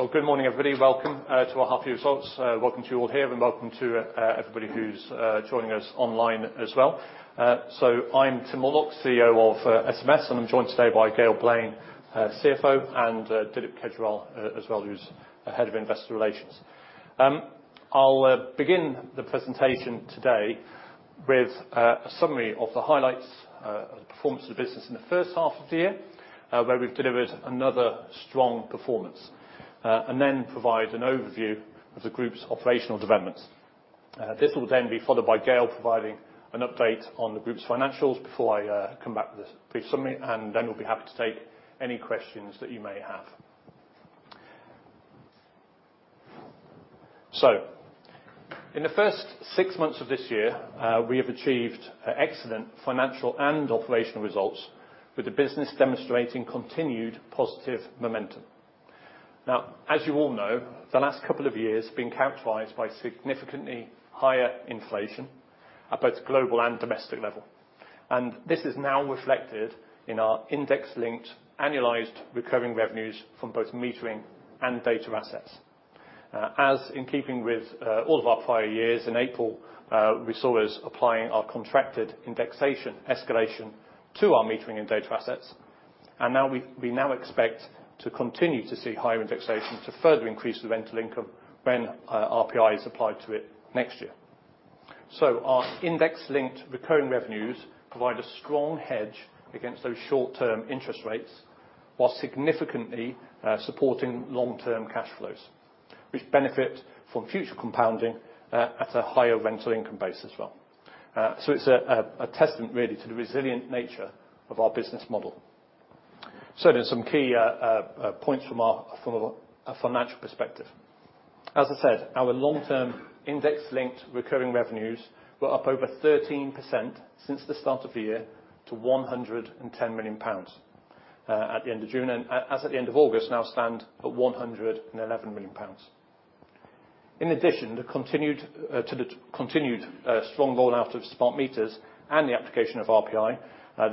Well, good morning, everybody. Welcome to our half-year results. Welcome to you all here, and welcome to everybody who's joining us online as well. So I'm Tim Mortlock, CEO of SMS, and I'm joined today by Gail Blain, CFO, and Dilip Kejriwal, as well, who's the head of investor relations. I'll begin the presentation today with a summary of the highlights of the performance of the business in the first half of the year, where we've delivered another strong performance. And then provide an overview of the group's operational developments. This will then be followed by Gail providing an update on the group's financials before I come back with a brief summary, and then we'll be happy to take any questions that you may have. So in the first six months of this year, we have achieved excellent financial and operational results, with the business demonstrating continued positive momentum. Now, as you all know, the last couple of years have been characterized by significantly higher inflation at both global and domestic level, and this is now reflected in our index-linked, annualized recurring revenues from both metering and data assets. As in keeping with all of our prior years, in April, we saw us applying our contracted indexation escalation to our metering and data assets, and now we expect to continue to see higher indexation to further increase the rental income when RPI is applied to it next year. So our index-linked recurring revenues provide a strong hedge against those short-term interest rates, while significantly supporting long-term cash flows, which benefit from future compounding at a higher rental income base as well. So it's a testament really to the resilient nature of our business model. So there's some key points from our, from a financial perspective. As I said, our long-term index-linked recurring revenues were up over 13% since the start of the year, to 110 million pounds at the end of June, and as at the end of August, now stand at 111 million pounds. In addition, the continued strong rollout of smart meters and the application of RPI,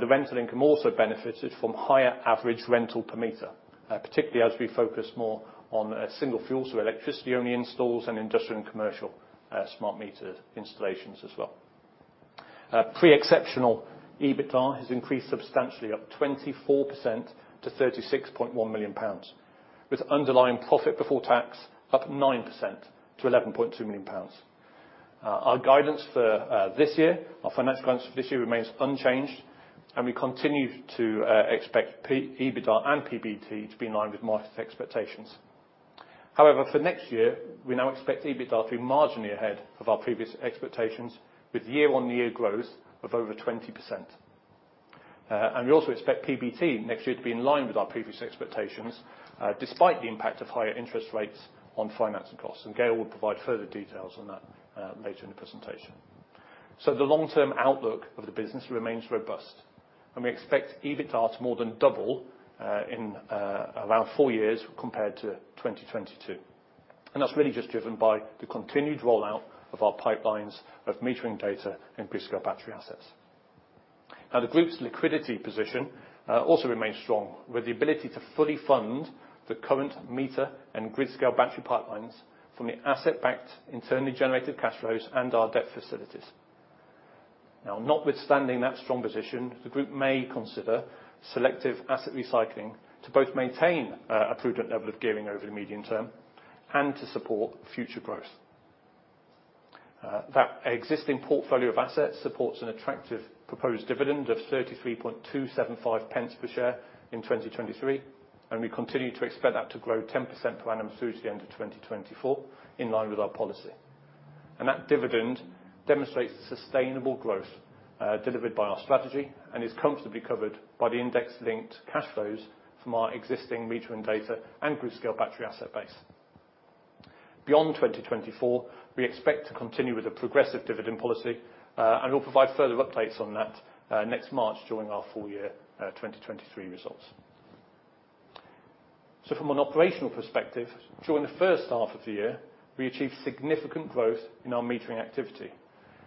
the rental income also benefited from higher average rental per meter, particularly as we focus more on single fuel, so electricity-only installs and industrial and commercial smart meter installations as well. Pre-exceptional EBITDA has increased substantially, up 24% to 36.1 million pounds, with underlying profit before tax up 9% to 11.2 million pounds. Our guidance for this year, our financial guidance for this year remains unchanged, and we continue to expect pre-exceptional EBITDA and PBT to be in line with market expectations. However, for next year, we now expect EBITDA to be marginally ahead of our previous expectations, with year-on-year growth of over 20%. We also expect PBT next year to be in line with our previous expectations, despite the impact of higher interest rates on financing costs, and Gail will provide further details on that later in the presentation. The long-term outlook of the business remains robust, and we expect EBITDA to more than double in around four years, compared to 2022. That's really just driven by the continued rollout of our pipelines of metering data and grid-scale battery assets. The group's liquidity position also remains strong, with the ability to fully fund the current meter and grid-scale battery pipelines from the asset-backed, internally generated cash flows and our debt facilities. Notwithstanding that strong position, the group may consider selective asset recycling to both maintain a prudent level of gearing over the medium term and to support future growth. That existing portfolio of assets supports an attractive proposed dividend of 33.275 pence per share in 2023, and we continue to expect that to grow 10% per annum through to the end of 2024, in line with our policy. And that dividend demonstrates the sustainable growth delivered by our strategy and is comfortably covered by the index-linked cash flows from our existing meter and data and grid-scale battery asset base. Beyond 2024, we expect to continue with a progressive dividend policy, and we'll provide further updates on that next March, during our full year 2023 results. So from an operational perspective, during the first half of the year, we achieved significant growth in our metering activity.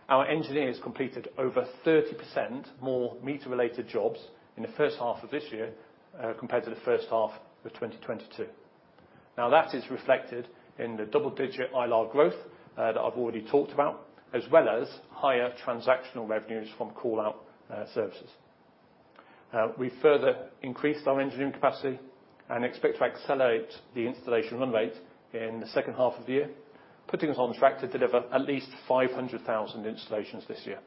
Our engineers completed over 30% more meter-related jobs in the first half of this year, compared to the first half of 2022. Now, that is reflected in the double-digit ILR growth that I've already talked about, as well as higher transactional revenues from call-out services. We further increased our engineering capacity and expect to accelerate the installation run rate in the second half of the year, putting us on track to deliver at least 500,000 installations this year.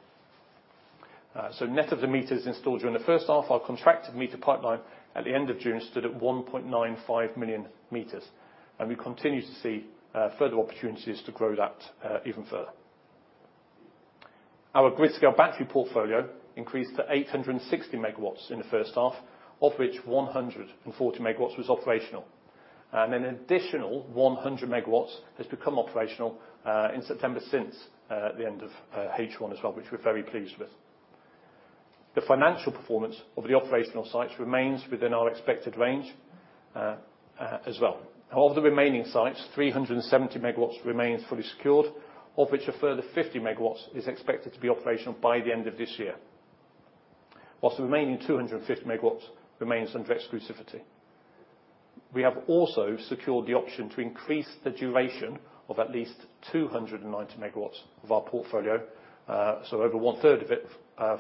So net of the meters installed during the first half, our contracted meter pipeline at the end of June stood at 1.95 million meters, and we continue to see further opportunities to grow that even further. Our grid-scale battery portfolio increased to 860 MW in the first half, of which 140 MW was operational. And an additional 100 MW has become operational in September, since the end of H1 as well, which we're very pleased with. The financial performance of the operational sites remains within our expected range as well. Of the remaining sites, 370 MW remains fully secured, of which a further 50 MW is expected to be operational by the end of this year, while the remaining 250 MW remains under exclusivity. We have also secured the option to increase the duration of at least 290 MW of our portfolio, so over one third of it,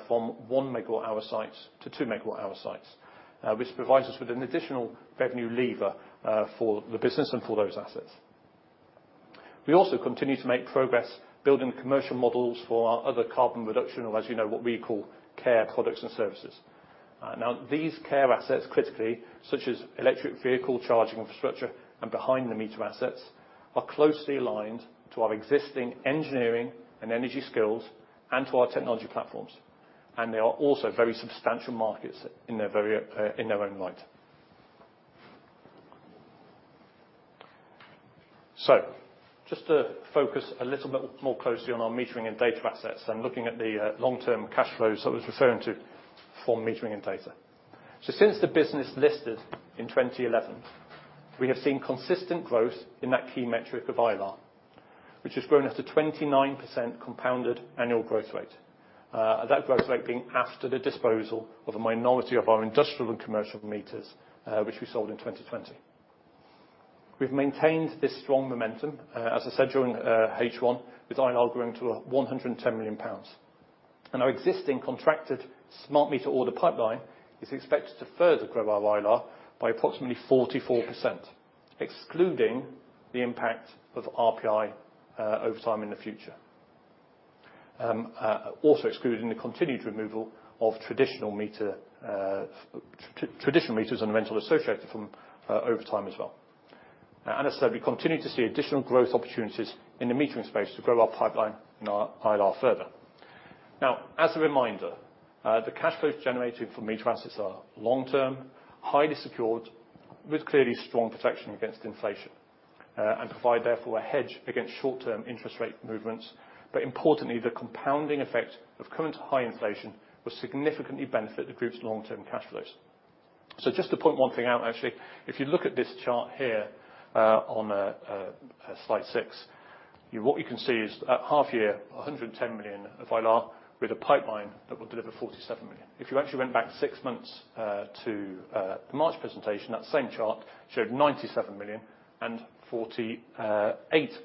from 1 MW hour sites to 2 MW hour sites, which provides us with an additional revenue lever for the business and for those assets. We also continue to make progress building commercial models for our other carbon reduction, or as you know, what we call CaRe products and services. Now, these CaRe assets, critically, such as electric vehicle charging infrastructure, and behind-the-meter assets, are closely aligned to our existing engineering and energy skills and to our technology platforms, and they are also very substantial markets in their very, in their own right. So just to focus a little bit more closely on our metering and data assets, and looking at the long-term cash flows I was referring to for metering and data. So since the business listed in 2011, we have seen consistent growth in that key metric of ILAR, which has grown at a 29% compounded annual growth rate. That growth rate being after the disposal of a minority of our industrial and commercial meters, which we sold in 2020. We've maintained this strong momentum, as I said, during H1, with ILAR growing to 110 million pounds. And our existing contracted smart meter order pipeline is expected to further grow our ILAR by approximately 44%, excluding the impact of RPI, over time in the future. Also excluding the continued removal of traditional meters and the rental associated from over time as well. As I said, we continue to see additional growth opportunities in the metering space to grow our pipeline and our ILAR further. Now, as a reminder, the cash flows generated from meter assets are long-term, highly secured, with clearly strong protection against inflation, and provide, therefore, a hedge against short-term interest rate movements. Importantly, the compounding effect of current high inflation will significantly benefit the group's long-term cash flows. Just to point one thing out, actually, if you look at this chart here, on slide 6, what you can see is at half-year, 110 million of ILAR with a pipeline that will deliver 47 million. If you actually went back six months, to the March presentation, that same chart showed 97 million and 48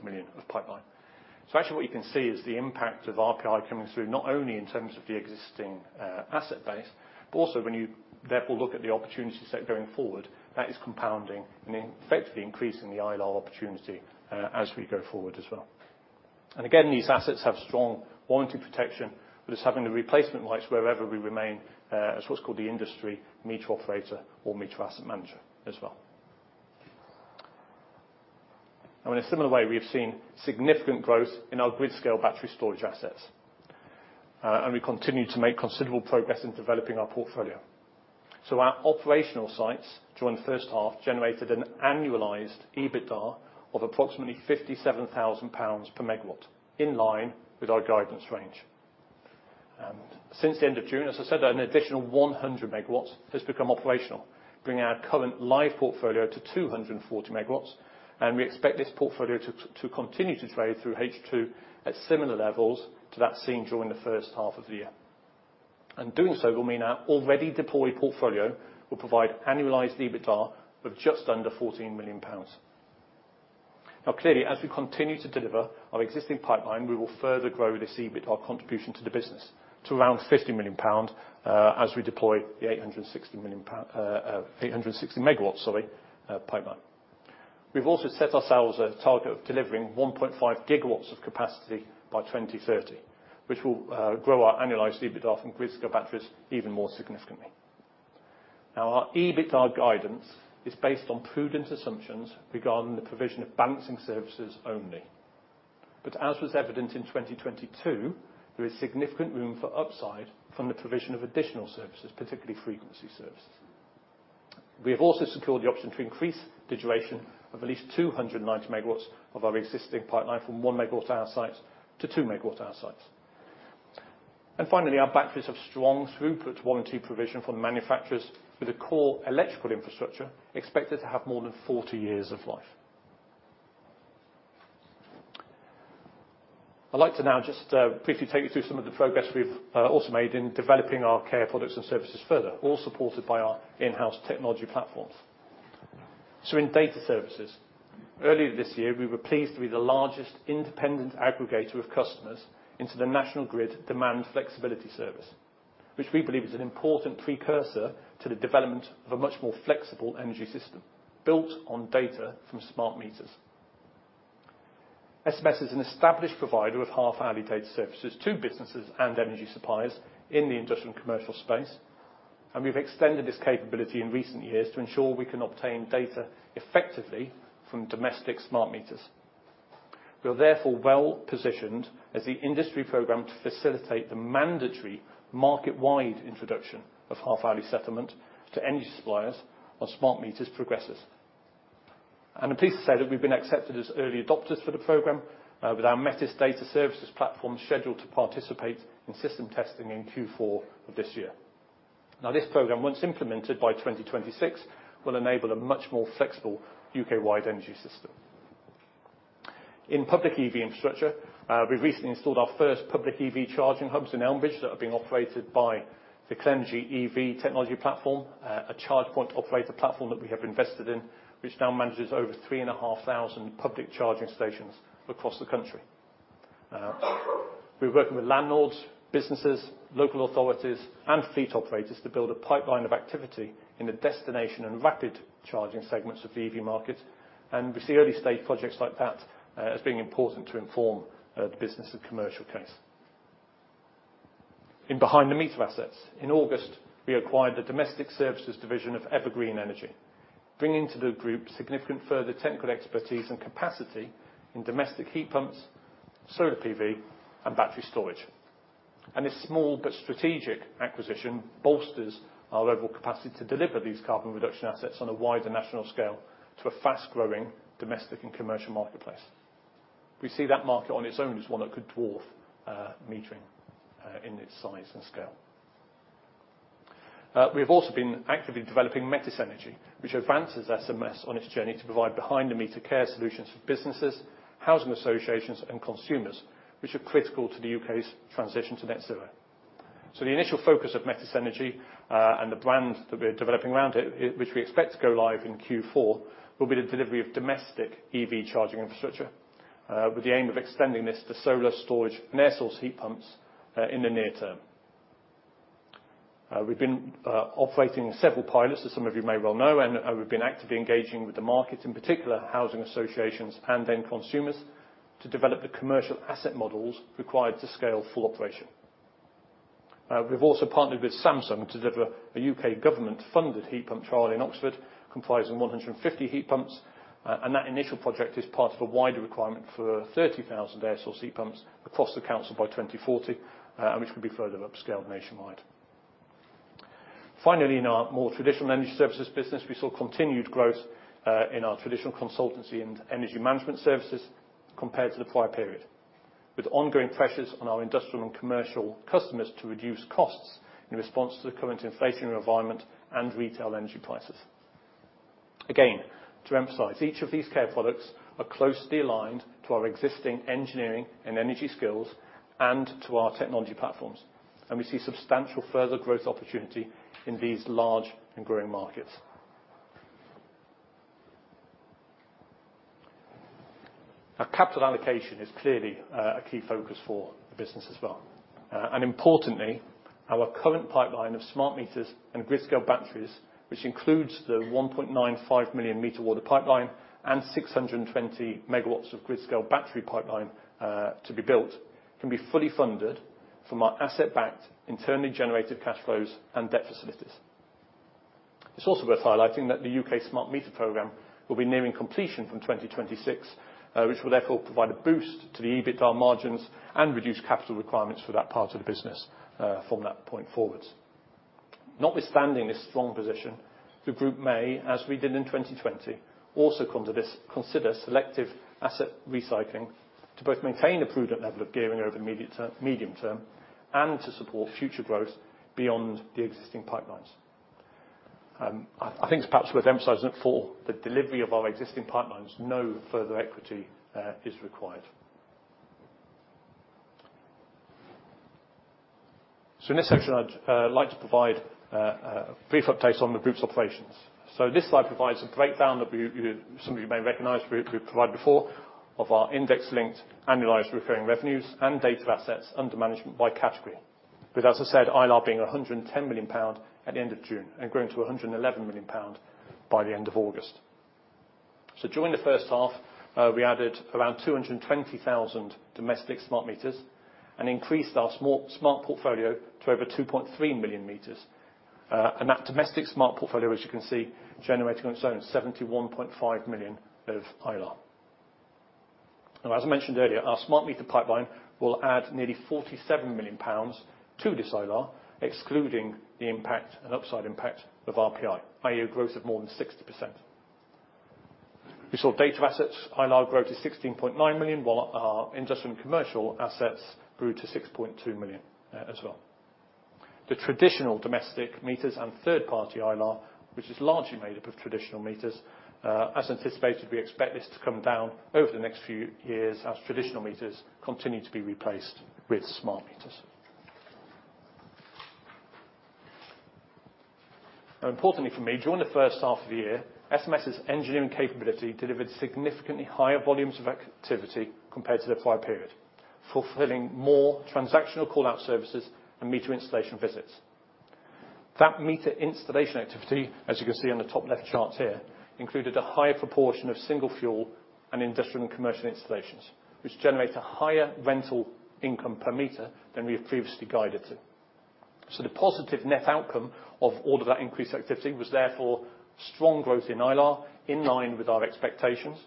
million of pipeline. So actually, what you can see is the impact of RPI coming through, not only in terms of the existing asset base, but also when you therefore look at the opportunity set going forward, that is compounding and effectively increasing the ILAR opportunity, as we go forward as well. And again, these assets have strong warranty protection, with us having the replacement rights wherever we remain, as what's called the industry meter operator or meter asset manager as well. Now, in a similar way, we have seen significant growth in our grid-scale battery storage assets, and we continue to make considerable progress in developing our portfolio. Our operational sites during the first half generated an annualized EBITDA of approximately 57,000 pounds per MW, in line with our guidance range. Since the end of June, as I said, an additional 100 MW has become operational, bringing our current live portfolio to 240 MW, and we expect this portfolio to continue to trade through H2 at similar levels to that seen during the first half of the year. Doing so will mean our already deployed portfolio will provide annualized EBITDA of just under GBP 14 million. Now, clearly, as we continue to deliver our existing pipeline, we will further grow this EBITDA contribution to the business to around 50 million pounds as we deploy the 860 MW pipeline. We've also set ourselves a target of delivering 1.5 GW of capacity by 2030, which will grow our annualized EBITDA from grid-scale batteries even more significantly. Now, our EBITDA guidance is based on prudent assumptions regarding the provision of balancing services only. But as was evident in 2022, there is significant room for upside from the provision of additional services, particularly frequency services. We have also secured the option to increase the duration of at least 290 MW of our existing pipeline from 1 MWh sites to 2 MWh sites. And finally, our batteries have strong throughput warranty provision from the manufacturers, with a core electrical infrastructure expected to have more than 40 years of life. I'd like to now just, briefly take you through some of the progress we've, also made in developing our CaRe products and services further, all supported by our in-house technology platforms. So in data services, earlier this year, we were pleased to be the largest independent aggregator of customers into the National Grid demand flexibility service, which we believe is an important precursor to the development of a much more flexible energy system built on data from smart meters. SMS is an established provider of half-hourly data services to businesses and energy suppliers in the industrial and commercial space, and we've extended this capability in recent years to ensure we can obtain data effectively from domestic smart meters. We are therefore well-positioned as the industry program to facilitate the mandatory market-wide introduction of half-hourly settlement to energy suppliers as smart meters progresses.... And I'm pleased to say that we've been accepted as early adopters for the program, with our METIS data services platform scheduled to participate in system testing in Q4 of this year. Now, this program, once implemented by 2026, will enable a much more flexible U.K.-wide energy system. In public EV infrastructure, we've recently installed our first public EV charging hubs in Elmbridge that are being operated by the Clenergy EV technology platform, a charge point operator platform that we have invested in, which now manages over 3,500 public charging stations across the country. We're working with landlords, businesses, local authorities, and fleet operators to build a pipeline of activity in the destination and rapid charging segments of the EV market, and we see early-stage projects like that, as being important to inform, the business and commercial case. In behind-the-meter assets, in August, we acquired the domestic services division of Evergreen Energy, bringing to the group significant further technical expertise and capacity in domestic heat pumps, solar PV, and battery storage. This small but strategic acquisition bolsters our overall capacity to deliver these carbon reduction assets on a wider national scale to a fast-growing domestic and commercial marketplace. We see that market on its own as one that could dwarf metering in its size and scale. We have also been actively developing Metis Energy, which advances SMS on its journey to provide behind-the-meter CaRe solutions for businesses, housing associations, and consumers, which are critical to the UK's transition to net zero. So the initial focus of Metis Energy, and the brand that we're developing around it, which we expect to go live in Q4, will be the delivery of domestic EV charging infrastructure, with the aim of extending this to solar storage and air source heat pumps, in the near term. We've been operating several pilots, as some of you may well know, and we've been actively engaging with the market, in particular, housing associations and end consumers, to develop the commercial asset models required to scale full operation. We've also partnered with Samsung to deliver a UK government-funded heat pump trial in Oxford, comprising 150 heat pumps, and that initial project is part of a wider requirement for 30,000 air source heat pumps across the council by 2040, and which can be further upscaled nationwide. Finally, in our more traditional energy services business, we saw continued growth in our traditional consultancy and energy management services compared to the prior period, with ongoing pressures on our industrial and commercial customers to reduce costs in response to the current inflation environment and retail energy prices. Again, to emphasize, each of these CaRe products are closely aligned to our existing engineering and energy skills and to our technology platforms, and we see substantial further growth opportunity in these large and growing markets. Now, capital allocation is clearly a key focus for the business as well. And importantly, our current pipeline of smart meters and grid-scale batteries, which includes the 1.95 million meter order pipeline and 620 MW of grid-scale battery pipeline, to be built, can be fully funded from our asset-backed, internally generated cash flows and debt facilities. It's also worth highlighting that the U.K. smart meter program will be nearing completion from 2026, which will therefore provide a boost to the EBITDA margins and reduce capital requirements for that part of the business, from that point forwards. Notwithstanding this strong position, the group may, as we did in 2020, also consider selective asset recycling to both maintain a prudent level of gearing over immediate term, medium term, and to support future growth beyond the existing pipelines. I think it's perhaps worth emphasizing that for the delivery of our existing pipelines, no further equity is required. So in this section, I'd like to provide a brief update on the group's operations. So this slide provides a breakdown that some of you may recognize, we provided before, of our index-linked annualized recurring revenues and data assets under management by category. With, as I said, ILR being 110 million pound at the end of June, and growing to 111 million pound by the end of August. So during the first half, we added around 220,000 domestic smart meters and increased our smart portfolio to over 2.3 million meters. And that domestic smart portfolio, as you can see, generating on its own 71.5 million of ILR. Now, as I mentioned earlier, our smart meter pipeline will add nearly 47 million pounds to this ILR, excluding the impact and upside impact of RPI, i.e. a growth of more than 60%. We saw data assets ILR grow to 16.9 million, while our industrial and commercial assets grew to 6.2 million, as well. The traditional domestic meters and third-party ILR, which is largely made up of traditional meters, as anticipated, we expect this to come down over the next few years as traditional meters continue to be replaced with smart meters. Now, importantly for me, during the first half of the year, SMS's engineering capability delivered significantly higher volumes of activity compared to the prior period, fulfilling more transactional call-out services and meter installation visits. That meter installation activity, as you can see on the top left charts here, included a higher proportion of single fuel and industrial and commercial installations, which generate a higher rental income per meter than we have previously guided to. So the positive net outcome of all of that increased activity was therefore strong growth in ILAR, in line with our expectations,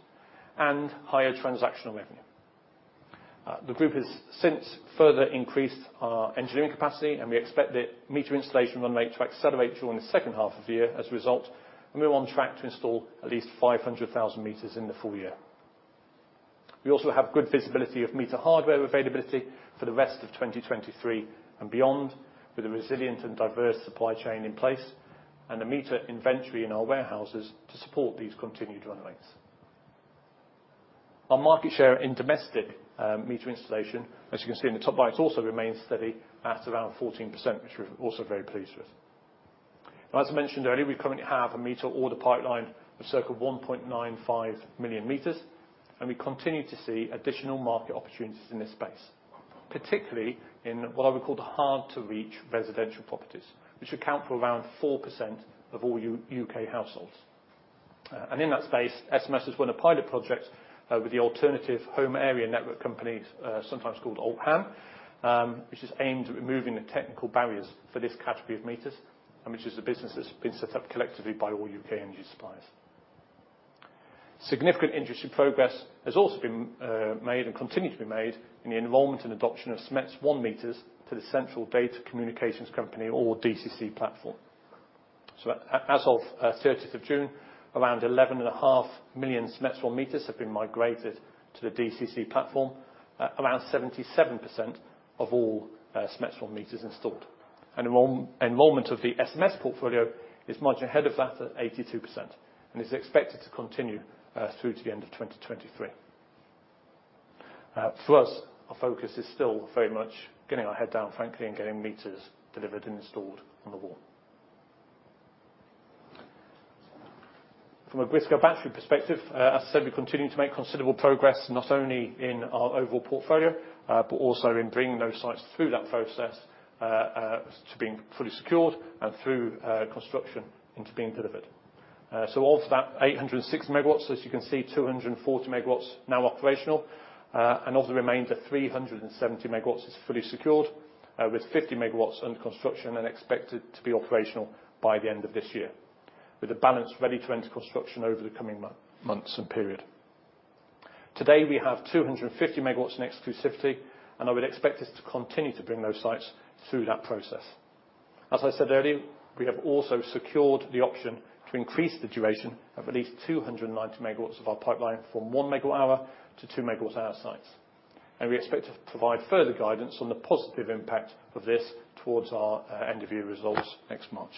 and higher transactional revenue.... The group has since further increased our engineering capacity, and we expect the meter installation run rate to accelerate during the second half of the year as a result, and we're on track to install at least 500,000 meters in the full year. We also have good visibility of meter hardware availability for the rest of 2023 and beyond, with a resilient and diverse supply chain in place and a meter inventory in our warehouses to support these continued run rates. Our market share in domestic meter installation, as you can see in the top right, also remains steady at around 14%, which we're also very pleased with. As I mentioned earlier, we currently have a meter order pipeline of circa 1.95 million meters, and we continue to see additional market opportunities in this space, particularly in what are called hard-to-reach residential properties, which account for around 4% of all UK households. And in that space, SMS has won a pilot project with the alternative home area network companies, sometimes called Alt HAN, which is aimed at removing the technical barriers for this category of meters, and which is a business that's been set up collectively by all UK energy suppliers. Significant industry progress has also been made and continue to be made in the enrollment and adoption of SMETS1 meters to the central Data Communications Company or DCC platform. So as of thirtieth of June, around 11.5 million SMETS1 meters have been migrated to the DCC platform, around 77% of all SMETS1 meters installed. And enrollment of the SMS portfolio is much ahead of that, at 82%, and is expected to continue through to the end of 2023. For us, our focus is still very much getting our head down, frankly, and getting meters delivered and installed on the wall. From a grid-scale battery perspective, as I said, we continue to make considerable progress, not only in our overall portfolio, but also in bringing those sites through that process to being fully secured and through construction into being delivered. So of that 860 MW, as you can see, 240 MW now operational, and of the remainder, 370 MW is fully secured, with 50 MW under construction and expected to be operational by the end of this year, with the balance ready to enter construction over the coming months and period. Today, we have 250 MW in exclusivity, and I would expect us to continue to bring those sites through that process. As I said earlier, we have also secured the option to increase the duration of at least 290 MW of our pipeline from 1 MWh to 2 MWh sites, and we expect to provide further guidance on the positive impact of this towards our end-of-year results next March.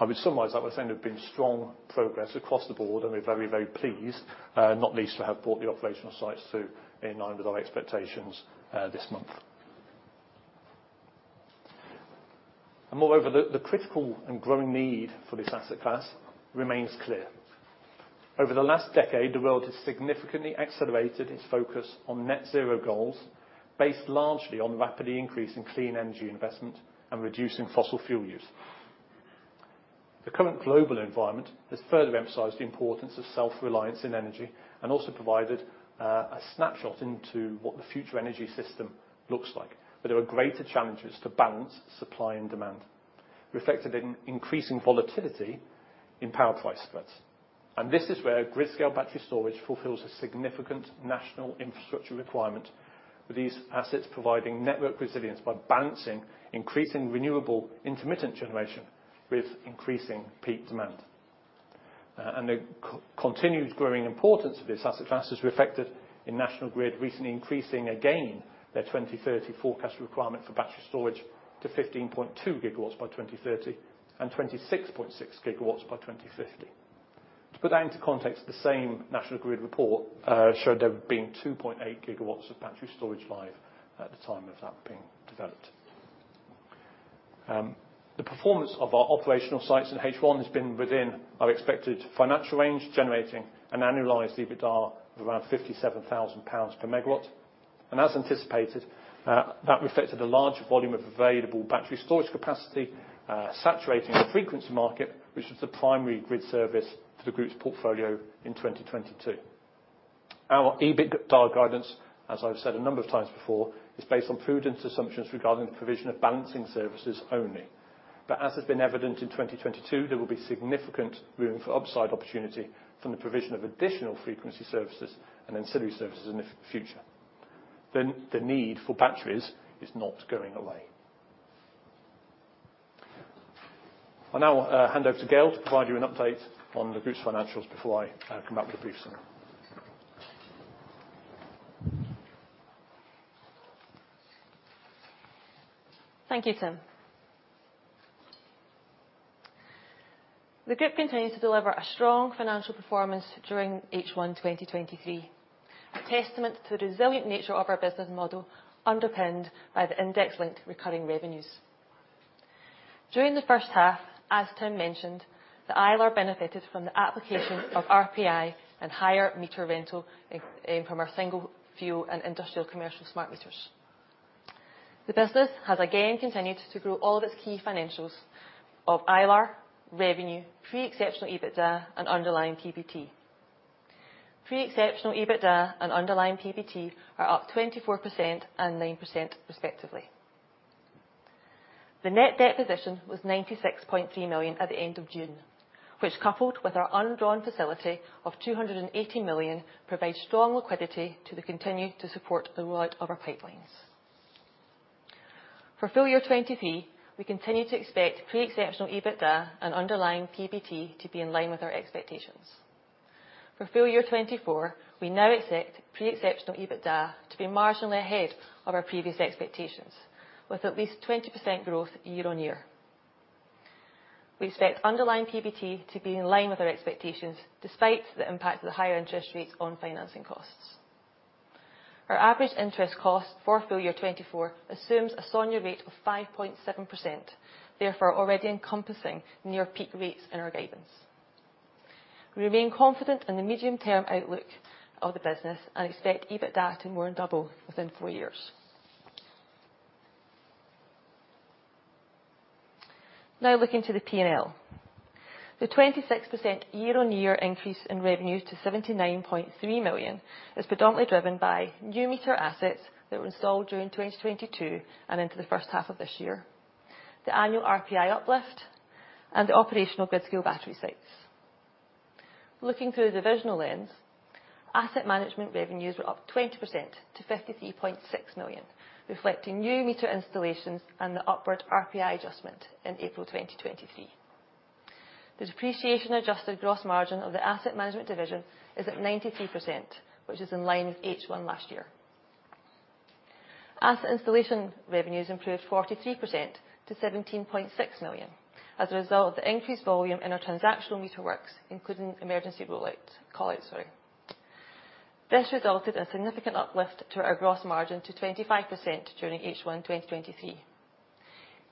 I would summarize that we're saying there's been strong progress across the board, and we're very, very pleased, not least to have brought the operational sites through in line with our expectations this month. Moreover, the critical and growing need for this asset class remains clear. Over the last decade, the world has significantly accelerated its focus on net zero goals, based largely on rapidly increasing clean energy investment and reducing fossil fuel use. The current global environment has further emphasized the importance of self-reliance in energy and also provided a snapshot into what the future energy system looks like, where there are greater challenges to balance supply and demand, reflected in increasing volatility in power price spreads. And this is where grid-scale battery storage fulfills a significant national infrastructure requirement, with these assets providing network resilience by balancing increasing renewable intermittent generation with increasing peak demand. And the continued growing importance of this asset class is reflected in National Grid recently increasing again their 2030 forecast requirement for battery storage to 15.2 GW by 2030 and 26.6 GW by 2050. To put that into context, the same National Grid report showed there being 2.8 GW of battery storage live at the time of that being developed. The performance of our operational sites in H1 has been within our expected financial range, generating an annualized EBITDA of around 57,000 pounds per MW. And as anticipated, that reflected a larger volume of available battery storage capacity, saturating the frequency market, which was the primary grid service for the group's portfolio in 2022. Our EBITDA guidance, as I've said a number of times before, is based on prudence assumptions regarding the provision of balancing services only. But as has been evident in 2022, there will be significant room for upside opportunity from the provision of additional frequency services and ancillary services in the future. The need for batteries is not going away. I'll now hand over to Gail to provide you an update on the group's financials before I come back with a brief summary. Thank you, Tim. The group continues to deliver a strong financial performance during H1 2023, a testament to the resilient nature of our business model, underpinned by the index-linked recurring revenues. During the first half, as Tim mentioned, the ILR benefited from the application of RPI and higher meter rental from our single fuel and industrial commercial smart meters. The business has again continued to grow all of its key financials of ILR, revenue, pre-exceptional EBITDA, and underlying PBT. Pre-exceptional EBITDA and underlying PBT are up 24% and 9% respectively... The net debt position was 96.3 million at the end of June, which, coupled with our undrawn facility of 280 million, provides strong liquidity to continue to support the rollout of our pipelines. For full year 2023, we continue to expect pre-exceptional EBITDA and underlying PBT to be in line with our expectations. For full year 2024, we now expect pre-exceptional EBITDA to be marginally ahead of our previous expectations, with at least 20% growth year-on-year. We expect underlying PBT to be in line with our expectations, despite the impact of the higher interest rates on financing costs. Our average interest cost for full year 2024 assumes a SONIA rate of 5.7%, therefore, already encompassing near peak rates in our guidance. We remain confident in the medium-term outlook of the business and expect EBITDA to more than double within four years. Now, looking to the P&L. The 26% year-on-year increase in revenues to 79.3 million is predominantly driven by new meter assets that were installed during 2022 and into the first half of this year, the annual RPI uplift, and the operational grid-scale battery sites. Looking through a divisional lens, asset management revenues were up 20% to 53.6 million, reflecting new meter installations and the upward RPI adjustment in April 2023. The depreciation-adjusted gross margin of the asset management division is at 93%, which is in line with H1 last year. Asset installation revenues improved 43% to 17.6 million as a result of the increased volume in our transactional meter works, including emergency rollout, call out, sorry. This resulted in a significant uplift to our gross margin to 25% during H1 2023.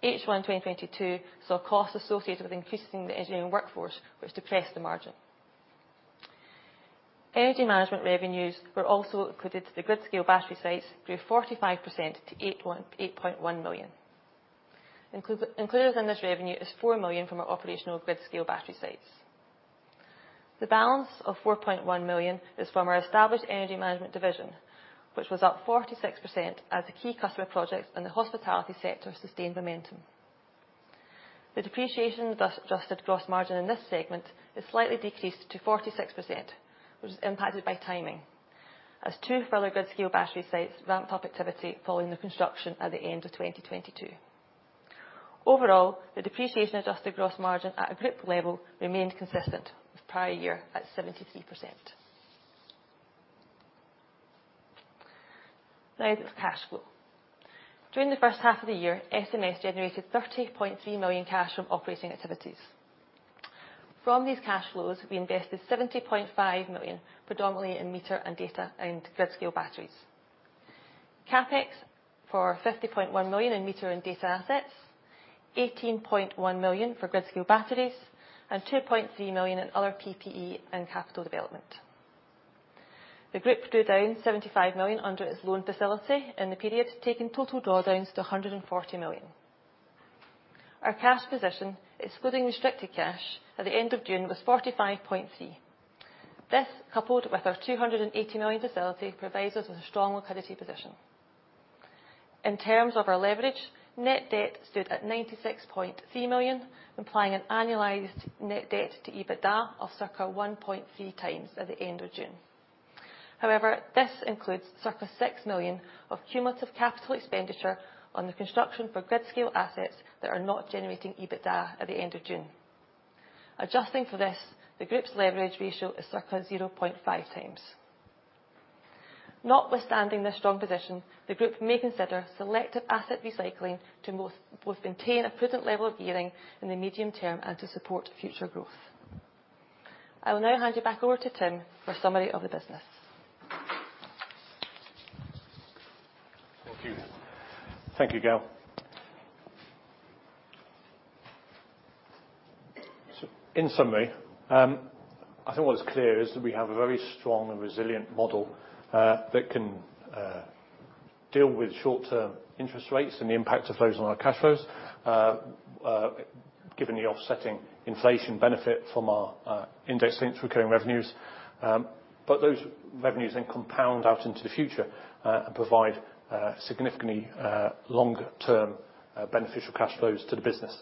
H1 2022 saw costs associated with increasing the engineering workforce, which depressed the margin. Energy management revenues were also included to the grid-scale battery sites, grew 45% to 8.1 million. Included in this revenue is 4 million from our operational grid-scale battery sites. The balance of 4.1 million is from our established energy management division, which was up 46% as the key customer projects in the hospitality sector sustained momentum. The depreciation, thus adjusted gross margin in this segment, is slightly decreased to 46%, which is impacted by timing, as two further grid-scale battery sites ramped up activity following the construction at the end of 2022. Overall, the depreciation-adjusted gross margin at a group level remained consistent with prior year at 73%. Now, there's cash flow. During the first half of the year, SMS generated 30.3 million cash from operating activities. From these cash flows, we invested 70.5 million, predominantly in meter and data and grid-scale batteries. CapEx for 50.1 million in meter and data assets, 18.1 million for grid-scale batteries, and 2.3 million in other PPE and capital development. The group drew down 75 million under its loan facility in the period, taking total drawdowns to 140 million. Our cash position, excluding restricted cash, at the end of June, was 45.3 million. This, coupled with our 280 million facility, provides us with a strong liquidity position. In terms of our leverage, net debt stood at 96.3 million, implying an annualized net debt to EBITDA of circa 1.3x at the end of June. However, this includes circa 6 million of cumulative capital expenditure on the construction for grid-scale assets that are not generating EBITDA at the end of June. Adjusting for this, the group's leverage ratio is circa 0.5x. Notwithstanding this strong position, the group may consider selective asset recycling to both maintain a prudent level of gearing in the medium term and to support future growth. I will now hand you back over to Tim for a summary of the business. Thank you. Thank you, Gail. So in summary, I think what is clear is that we have a very strong and resilient model that can deal with short-term interest rates and the impact of those on our cash flows. Given the offsetting inflation benefit from our index-linked recurring revenues, but those revenues then compound out into the future and provide significantly longer-term beneficial cash flows to the business.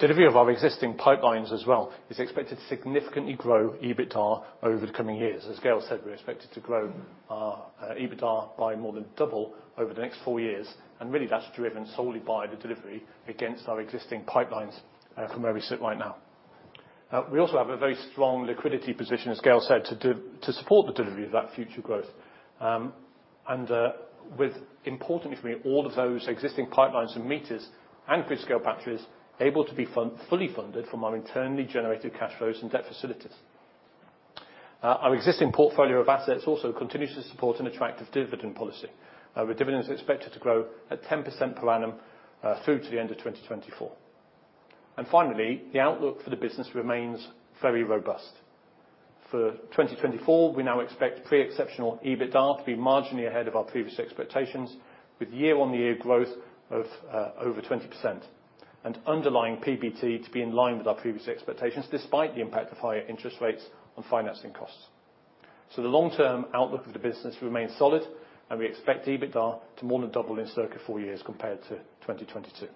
Delivery of our existing pipelines as well is expected to significantly grow EBITDA over the coming years. As Gail said, we're expected to grow our EBITDA by more than double over the next four years, and really, that's driven solely by the delivery against our existing pipelines from where we sit right now. We also have a very strong liquidity position, as Gail said, to support the delivery of that future growth. And, with importantly for me, all of those existing pipelines and meters and grid-scale batteries able to be fully funded from our internally generated cash flows and debt facilities. Our existing portfolio of assets also continues to support an attractive dividend policy, with dividends expected to grow at 10% per annum, through to the end of 2024. And finally, the outlook for the business remains very robust. For 2024, we now expect pre-exceptional EBITDA to be marginally ahead of our previous expectations, with year-on-year growth of over 20%, and underlying PBT to be in line with our previous expectations, despite the impact of higher interest rates on financing costs. So the long-term outlook of the business remains solid, and we expect EBITDA to more than double in circa four years compared to 2022.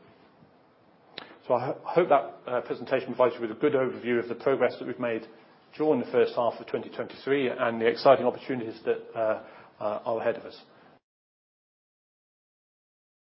So I hope that presentation provides you with a good overview of the progress that we've made during the first half of 2023 and the exciting opportunities that are ahead of us.